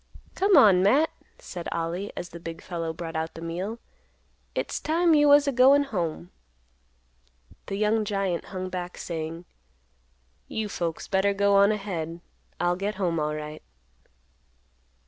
"Come on, Matt," said Ollie, as the big fellow brought out the meal; "It's time you was a goin' home." The young giant hung back, saying, "You folks better go on ahead. I'll get home alright."